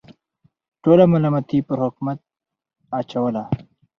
ټوله ملامتي پر حکومت اچوله.